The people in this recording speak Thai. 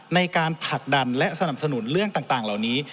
ในการผลักดันและสนับสนุนเรื่องต่างเหล่านี้